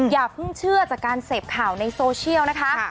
อย่าเพิ่งเชื่อจากการเสพข่าวในโซเชียลนะคะ